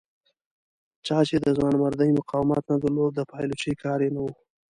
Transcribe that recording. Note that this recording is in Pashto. چا چې د ځوانمردۍ مقاومت نه درلود د پایلوچۍ کار یې نه و.